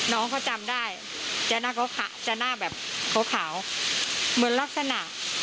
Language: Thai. น้องเขาจำได้จะหน้าเขาจะหน้าแบบขาวเหมือนลักษณะ